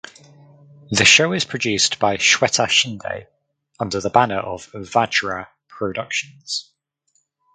The show is produced by Shweta Shinde under the banner of Vajra Productions.